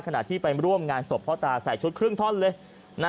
ขณะที่ไปร่วมงานศพพ่อตาใส่ชุดครึ่งท่อนเลย